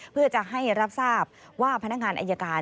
เพื่อจะให้รับทราบว่าพนักงานอายการ